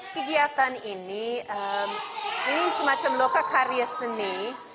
kegiatan ini ini semacam loka karya seni